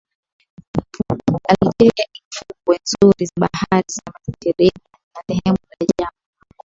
Algeria ina fukwe nzuri za bahari ya Mediterania na sehemu ya jangwa